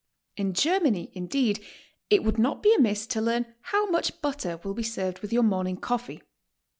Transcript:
In Germany, indeed, it would not be amiss to learn how much butter will be served with your morning coffee.